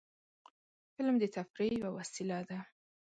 فلم د تفریح یوه وسیله ده